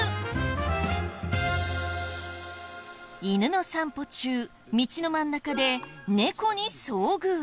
犬の散歩中道の真ん中で猫に遭遇。